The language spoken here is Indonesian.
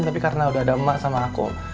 tapi karena udah ada emak sama aku